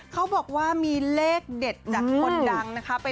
เขาบอกว่ามีเลขเด็ดจากคนดังนะคะ